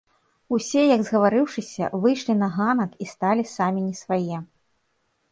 Усе, як згаварыўшыся, выйшлі на ганак і сталі самі не свае.